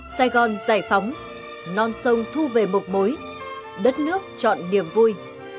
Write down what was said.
sài gòn giải phóng non sông thu về một mối đất nước chọn niềm vui